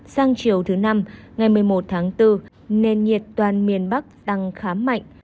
sang chiều thứ năm ngày một mươi một tháng bốn nền nhiệt toàn miền bắc tăng khá mạnh